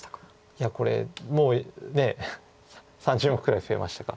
いやこれもう３０目ぐらい増えましたか。